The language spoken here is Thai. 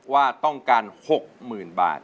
ว่าต้องการ๖๐๐๐บาท